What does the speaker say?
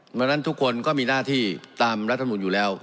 เพราะฉะนั้นทุกคนก็มีหน้าที่ตามรัฐมนุนอยู่แล้ว